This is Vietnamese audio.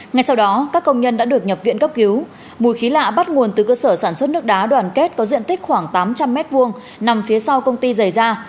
ngay sau đó các công nhân đã được nhập viện cấp cứu mùi khí lạ bắt nguồn từ cơ sở sản xuất nước đá đoàn kết có diện tích khoảng tám trăm linh m hai nằm phía sau công ty dày da